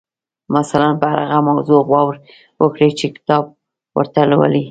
مثلاً پر هغه موضوع غور وکړئ چې کتاب ورته لولئ.